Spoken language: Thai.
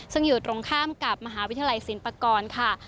ซึ่งอยู่ตรงข้ามกับมหาวิทยาลัยศิลปากรค่ะ